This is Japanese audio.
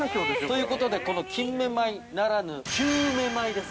◆ということで、この金芽米ならぬＱ芽米です。